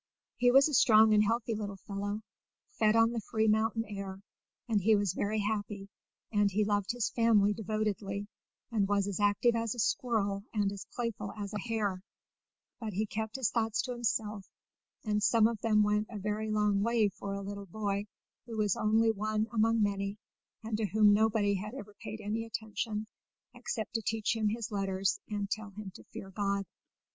He was a strong and healthy little fellow, fed on the free mountain air, and he was very happy, and loved his family devotedly, and was as active as a squirrel and as playful as a hare; but he kept his thoughts to himself, and some of them went a very long way for a little boy who was only one among many, and to whom nobody had ever paid any attention except to teach him his letters and tell him to fear God.